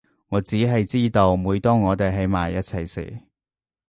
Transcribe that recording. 我只係知道每當我哋喺埋一齊時